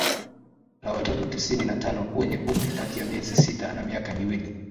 la watoto tisini na tano wenye umri kati ya miezi sita na miaka miwili